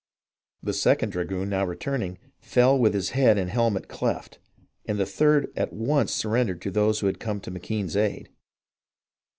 The second dragoon now returning, fell with his head and helmet cleft, and the third at once surrendered to those who had come to McKenne's aid.